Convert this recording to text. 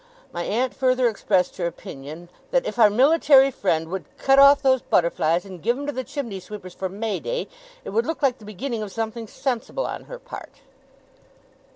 My aunt further expressed her opinion, 'that if our military friend would cut off those butterflies, and give 'em to the chimney sweepers for May day, it would look like the beginning of something sensible on her part.